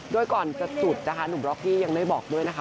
โดยก่อนจะจุดนะคะหนุ่มบล็อกกี้ยังได้บอกด้วยนะคะ